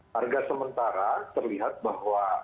harga sementara terlihat bahwa